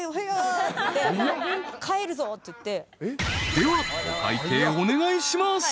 ［ではお会計お願いします］